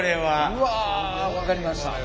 うわ分かりました。